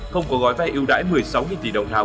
không có gói ve yêu đáy một mươi sáu tỷ đồng nào